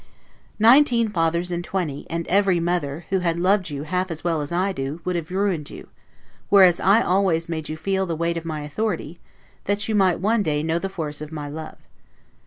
Nineteen fathers in twenty, and every mother, who had loved you half as well as I do, would have ruined you; whereas I always made you feel the weight of my authority, that you might one day know the force of my love.